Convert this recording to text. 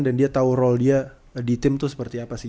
dan dia tau role dia di tim tuh seperti apa sih